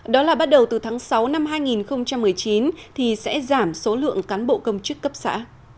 đó là bắt đầu từ tháng sáu năm hai nghìn một mươi chín thì sẽ giảm số lượng cán bộ công chức cấp xã